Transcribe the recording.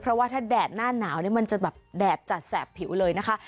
เพราะว่าถ้าแดดหน้าหนาวนี่มันจะแบบแดดจัดแสบผิวเลยนะคะ